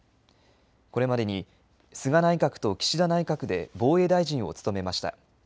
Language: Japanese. これまでに菅内閣と岸田内閣で防衛大臣を務めました。